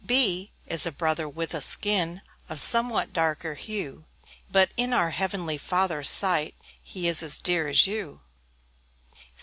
B B is a Brother with a skin Of somewhat darker hue, But in our Heavenly Father's sight, He is as dear as you.